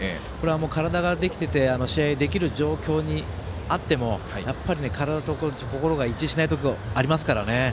体ができていて試合ができる状況にあってもやっぱり体と心が一致しないことありますからね。